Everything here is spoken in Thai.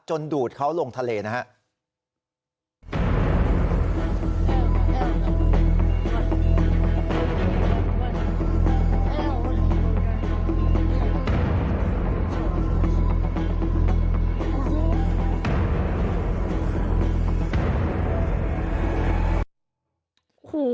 ดูดเขาลงทะเลนะครับ